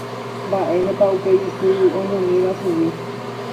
Mba'énepa upe isy oñomíva chugui